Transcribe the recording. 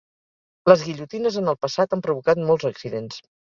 Les guillotines en el passat han provocat molts accidents.